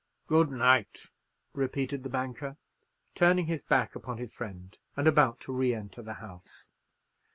"Good night," repeated the banker, turning his back upon his friend, and about to re enter the house.